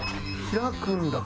開くんだ